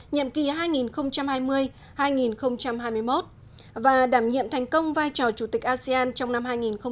nhiệm kỳ hai nghìn hai mươi hai nghìn hai mươi một và đảm nhiệm thành công vai trò chủ tịch asean trong năm hai nghìn hai mươi